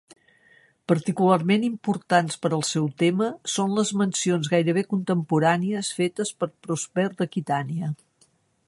Particularment importants per al seu tema són les mencions gairebé contemporànies fetes per Prosper d'Aquitània.